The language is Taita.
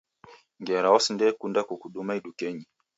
Ngera wasindekunda kukuduma idukenyi..